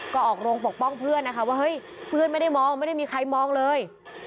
ก็ออกโรงปกป้องเพื่อนนะคะว่าเฮ้ยเพื่อนไม่ได้มองไม่ได้มีใครมองเลย